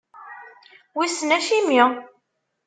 Wissen acimi.